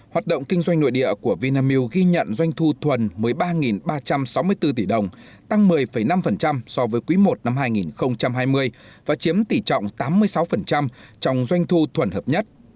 hoạt động kinh doanh nội địa của vinamilk ghi nhận doanh thu thuần mới ba ba trăm sáu mươi bốn tỷ đồng tăng một mươi năm so với quý i năm hai nghìn hai mươi và chiếm tỷ trọng tám mươi sáu trong doanh thu thuần hợp nhất